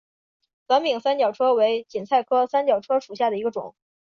短柄三角车为堇菜科三角车属下的一个种。